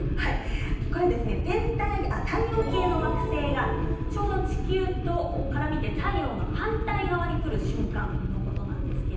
太陽系の惑星がちょうど地球から見て太陽の反対側にくる瞬間のことです。